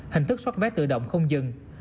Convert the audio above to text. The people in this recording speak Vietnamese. hình thức xoát vé tự động không dừng